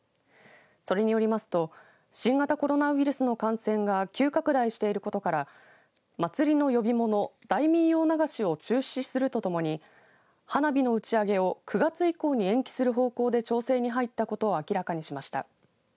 それによりますと新型コロナウイルスの感染が急拡大していることから祭りの呼び物大民謡流しを中止するとともに花火の打ち上げを９月以降に延期する方向で調整に入ったことを明らかにしました。